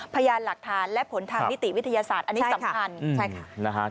พยานหลักฐานและผลทางนิติวิทยาศาสตร์อันนี้สำคัญใช่ค่ะนะฮะ